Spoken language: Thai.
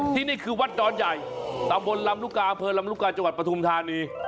ที่นี่คือวัดดอนใหญ่ตำบลลำลูกกาอำเภอลำลูกกาจังหวัดปฐุมธานี